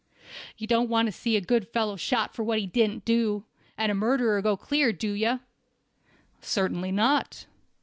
You don't want to see a good fellow shot for what he didn't do, and a murderer go clear, do you?" "Certainly not."